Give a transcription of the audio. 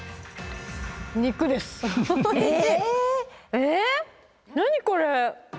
え何これ？